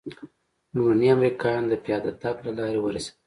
لومړني امریکایان د پیاده تګ له لارې ورسېدل.